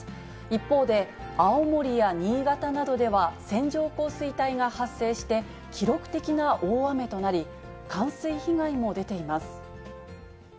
一方で、青森や新潟などでは線状降水帯が発生して、記録的な大雨となり、冠水被害も出ています。